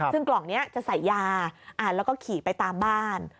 ซึ่งกล่องนี้จะใส่ยาแล้วก็ขี่ไปตามบ้าน